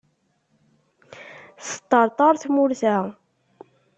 Teṭṭerṭer tmurt-a.